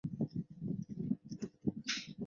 长女马以南托给湖南宁乡外婆家。